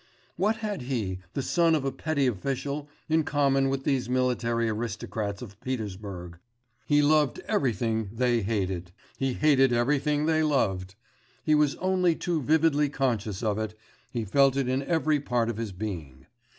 What had he, the son of a petty official, in common with these military aristocrats of Petersburg? He loved everything they hated; he hated everything they loved; he was only too vividly conscious of it, he felt it in every part of his being.